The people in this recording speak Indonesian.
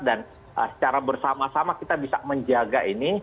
dan secara bersama sama kita bisa menjaga ini